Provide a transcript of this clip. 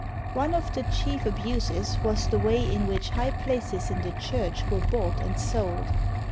One of the chief abuses was the way in which high 9 ITALY places in the Church were bought and sold.